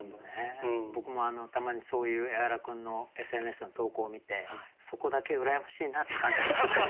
僕もたまにそういうエハラ君のＳＮＳの投稿を見てそこだけ羨ましいなって感じてます。